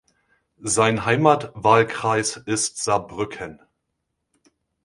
Sein Heimatwahlkreis ist Saarbrücken.